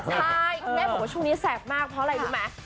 ใช่คุณแม่บอกว่าช่วงนี้แสบมากเพราะอะไรรู้ไหม